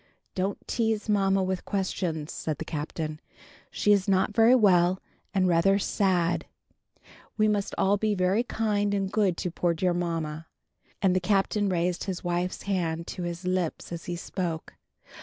"Don't tease mamma with questions," said the Captain; "she is not very well, and rather sad. We must all be very kind and good to poor dear mamma;" and the Captain raised his wife's hand to his lips as he spoke.